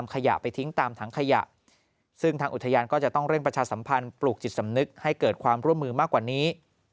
ขยะไปทิ้งตามถังขยะซึ่งทางอุทยานก็จะต้องเร่งประชาสัมพันธ์ปลูกจิตสำนึกให้เกิดความร่วมมือมากกว่านี้